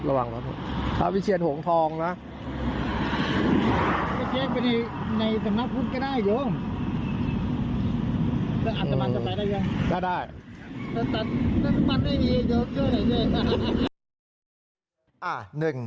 แต่อาจมันไม่มีเดี๋ยวให้ดู